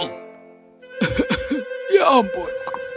hehehe ya ampun